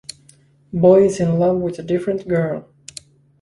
Boy is in love with a different girl.